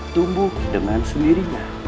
tumbuh dengan sendirinya